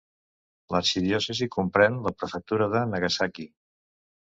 L'arxidiòcesi comprèn la prefectura de Nagasaki.